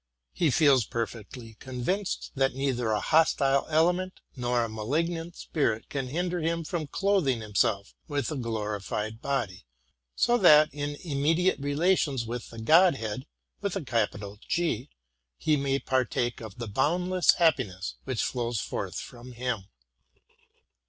He feels perfectly convinced that neither a hostile element nor a malignant spirit can hinder him from clothing himself with a glorified body, so that, in immediate relation with the God head, he may partake of the boundless happiness which flows forth from him.